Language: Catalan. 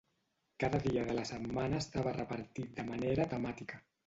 Cada dia de la setmana estava repartit de manera temàtica.